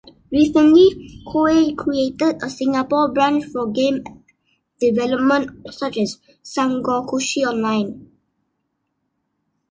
Recently, Koei created a Singapore branch for game development such as "Sangokushi Online".